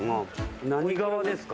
何皮ですか？